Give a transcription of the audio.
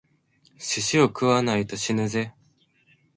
寿司を食わないと死ぬぜ！